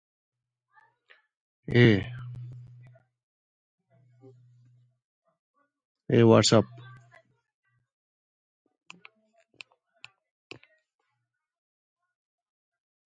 Victory went to the Minamoto.